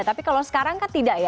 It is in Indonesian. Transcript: tapi kalau sekarang kan tidak ya